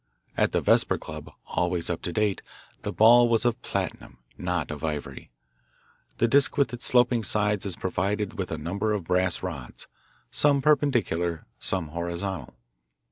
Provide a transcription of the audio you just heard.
At the Vesper Club, always up to date, the ball was of platinum, not of ivory. The disc with its sloping sides is provided with a number of brass rods, some perpendicular, some horizontal.